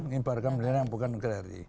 mengibarkan mereka yang bukan ngeri